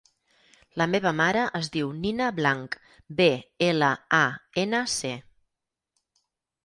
La meva mare es diu Nina Blanc: be, ela, a, ena, ce.